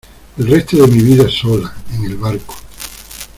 el resto de mi vida sola, en el barco.